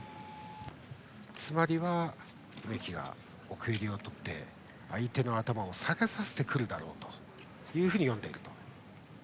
つまりは梅木が奥襟を取って相手の頭を下げさせてくるだろうと読んでいると。